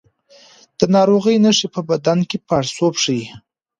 د ناروغۍ نښې په بدن کې پاړسوب ښيي.